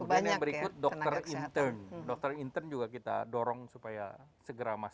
kemudian yang berikut dokter intern dokter intern juga kita dorong supaya segera masuk